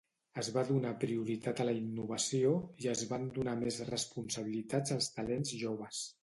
Es va donar prioritat a la innovació i es van donar més responsabilitats als talents joves.